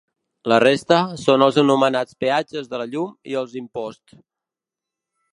La resta, són els anomenats peatges de la llum i els imposts.